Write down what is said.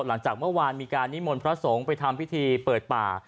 หลังจากเมื่อวานมีการนิมนต์พระสงฆ์ไปทำพิธีเปิดป่า